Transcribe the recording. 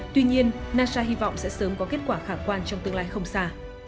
tuy nhiên nasa hy vọng sẽ sớm có kết quả khả quan trong tương lai không xa